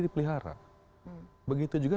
diperlihara begitu juga